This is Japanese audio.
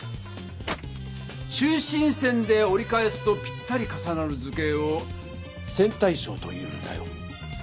中心線でおり返すとぴったり重なる図形を「線対称」と言うんだよ。